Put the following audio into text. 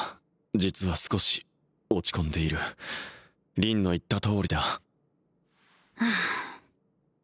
実は少し落ち込んでいる凛の言ったとおりだはあ凛？